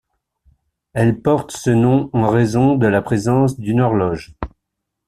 Elle porte ce nom en raison de la présence d'une horloge.